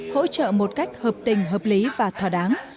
hỗ trợ một cách hợp tình hợp lý và thỏa đáng